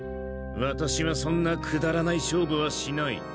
ワタシはそんなくだらない勝負はしない。